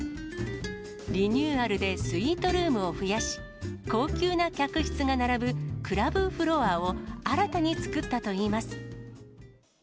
リニューアルでスイートルームを増やし、高級な客室が並ぶクラブフロアを、新たに作ったといいます。